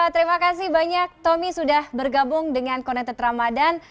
terima kasih banyak tommy sudah bergabung dengan connected ramadan